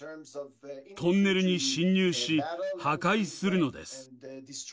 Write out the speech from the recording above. トンネルに侵入し、破壊するのです。